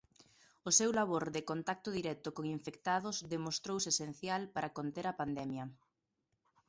O seu labor de contacto directo con infectados demostrouse esencial para conter a pandemia.